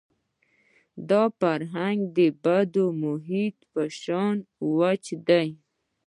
دا فرهنګ د بدوي محیط په شان وچ دی.